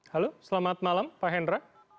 halo selamat malam pak hendra